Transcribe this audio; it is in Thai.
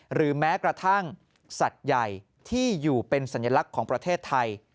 หรือแม้กระทั่งสัตว์ใหญ่ที่อยู่เป็นสัญลักษณ์ของประเทศไทย